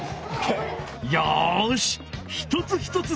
よし一つ一つ